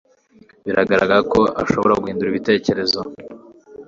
Bigaragara ko ashobora guhindura ibitekerezo